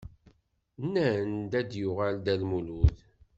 Nnan-d ad yuɣal Dda Lmulud.